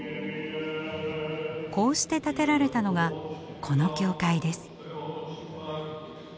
こうして建てられたのがこの教会です。